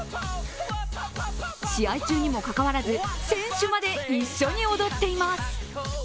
試合中にもかかわらず選手まで一緒に踊っています。